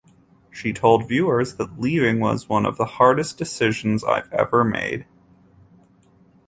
She told viewers that leaving was "one of the hardest decisions I've ever made".